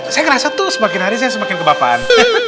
saya ngerasa tuh semakin hari saya semakin kebapaan